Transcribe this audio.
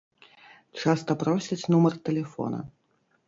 Часта просяць нумар тэлефона.